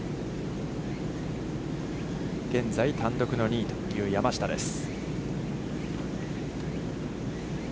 現在単独２位という山下です。